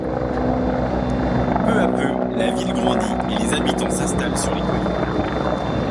Peu à peu la ville grandit, et les habitants s'installent sur les collines.